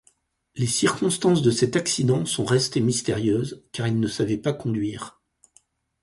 Les circonstances de cet accident sont restées mystérieuses, car il ne savait pas conduire.